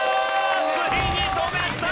ついに止めた！